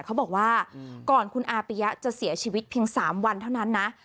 เขาบอกว่าก่อนคุณอาปิยะจะเสียชีวิตเพียง๓วันเท่านั้นนะ